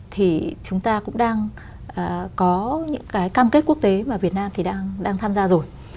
thì chúng ta cũng đang có những cái cam kết quốc tế mà việt nam thì đang tham gia rồi